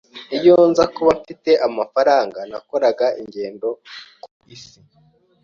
Iyo nza kuba mfite amafaranga, nakoraga ingendo ku isi.